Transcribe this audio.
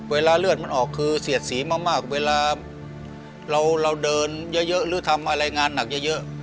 เวลาเลือดมันออกคือเสียดสีมากเวลาเราเดินเยอะหรือทำอะไรงานหนักเยอะ